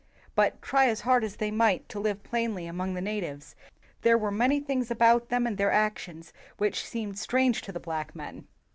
But, try as hard as they might to live plainly among the natives, there were many things about them and their actions which seemed strange to the black men.